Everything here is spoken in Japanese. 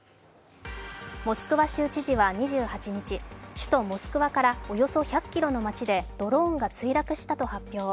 モスクワ州知事は２８日、首都モスクワからおよそ１００ｋｍの町でドローンが墜落したと発表。